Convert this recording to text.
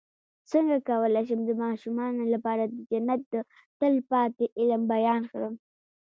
څنګه کولی شم د ماشومانو لپاره د جنت د تل پاتې علم بیان کړم